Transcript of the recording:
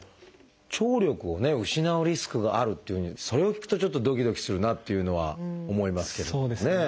聴力を失うリスクがあるっていうふうにそれを聞くとちょっとドキドキするなあっていうのは思いますけどもね。